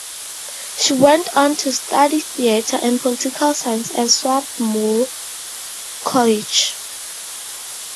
She went on to study Theater and Political Science at Swarthmore College.